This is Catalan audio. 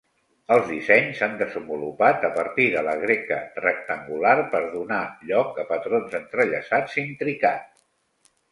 Els dissenys s'han desenvolupat a partir de la greca rectangular per donar lloc a patrons entrellaçats intricat.